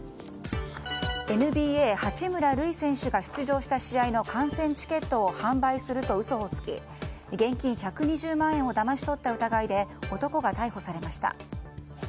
ＮＢＡ、八村塁選手が出場した試合の観戦チケットを販売すると嘘をつき現金１２０万円をだまし取った疑いで男が逮捕されました。